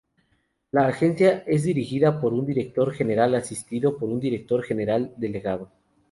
La agencia es dirigida por un Director general asistido por un Director General Delegado.